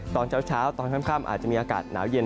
ตอนเช้าตอนค่ำอาจจะมีอากาศหนาวเย็น